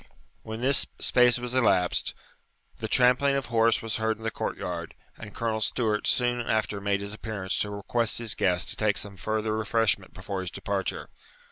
When this space was elapsed, the trampling of horse was heard in the court yard, and Colonel Stewart soon after made his appearance to request his guest to take some further refreshment before his departure.